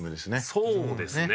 そうですね。